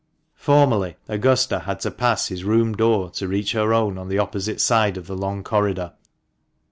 Formerly, Augusta had to pass his room door to reach her own, on the opposite side of the long corridor.